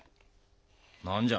何じゃ？